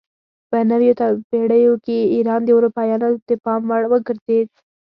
په نویو پیړیو کې ایران د اروپایانو د پام وړ وګرځید.